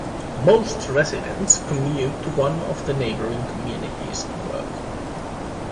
Most residents commute to one of the neighboring communities to work.